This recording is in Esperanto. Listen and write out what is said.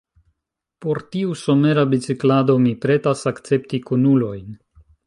Por tiu somera biciklado mi pretas akcepti kunulojn.